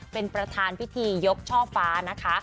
เป็นประธานพิธียกช่อฟ้านะคะ